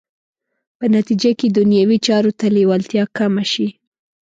په نتیجه کې دنیوي چارو ته لېوالتیا کمه شي.